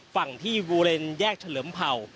ฝั่งที่บูเลนแยกเฉลิมเผ่า